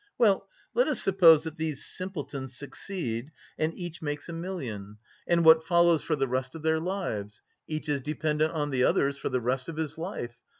Well, let us suppose that these simpletons succeed and each makes a million, and what follows for the rest of their lives? Each is dependent on the others for the rest of his life!